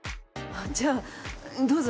じゃあどうぞ。